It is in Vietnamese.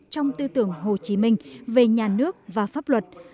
trong tư tưởng hồ chí minh về nhà nước và pháp luật